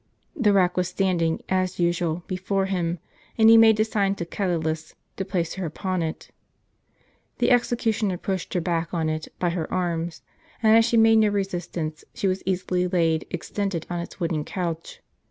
The rack was standing, as usual, before him ; and he made a sign to Catulus to place her upon it. The executioner pushed her back on it by her arms; and as she made no resistance, she was easily laid extended on its wooden couch.